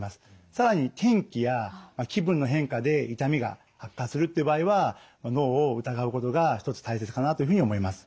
更に天気や気分の変化で痛みが悪化するっていう場合は脳を疑うことが一つ大切かなというふうに思います。